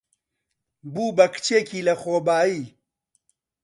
بوو بە کچێکی لەخۆبایی.